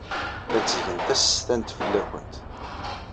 La ttgen tasestant fell-awent.